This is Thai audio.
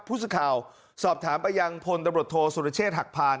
ผู้สื่อข่าวสอบถามไปยังพลตำรวจโทษสุรเชษฐหักพาน